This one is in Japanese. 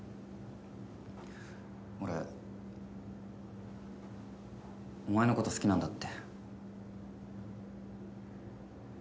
俺お前の事好きなんだって。